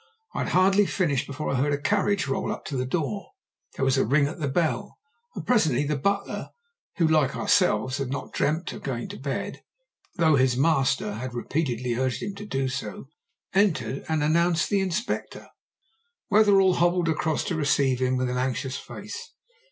I had hardly finished before I heard a carriage roll up to the door. There was a ring at the bell, and presently the butler, who, like ourselves, had not dreamt of going to bed, though his master had repeatedly urged him to do so, entered and announced the Inspector. Wetherell hobbled across to receive him with an anxious face.